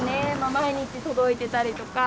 毎日届いてたりとか。